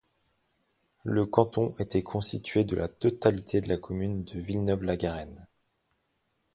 Le canton était constitué de la totalité de la commune de Villeneuve-la-Garenne.